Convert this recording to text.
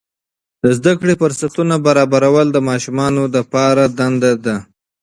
د زده کړې فرصتونه برابرول د ماشومانو د پلار دنده ده.